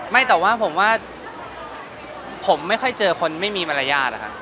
ไม่แต่ว่าผมว่าผมไม่ค่อยเจอคนไม่มีมารยาทอะครับ